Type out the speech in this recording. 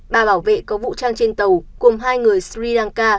ba bảo vệ có vũ trang trên tàu cùng hai người sri lanka